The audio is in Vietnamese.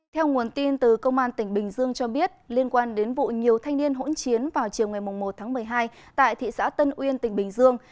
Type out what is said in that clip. theo nguồn tin từ công an tỉnh bình dương cho biết liên quan đến vụ nhiều thanh niên hỗn chiến vào chiều ngày một tháng một mươi hai tại thị xã tân uyên tỉnh bình dương